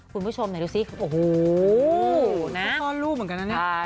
คุณผู้ชมหน่อยดูสิโอ้โหนะต้อนรูปเหมือนกันอันนี้